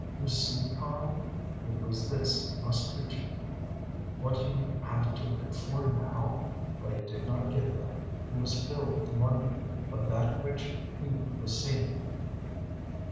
"You see, Karl," it was this must reach him "what you have to live for now?" But he did not get that. He was filled with the wonder of that which he was seeing.